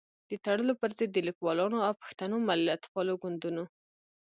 د تړلو پر ضد د ليکوالانو او پښتنو ملتپالو ګوندونو